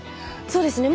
そうですね。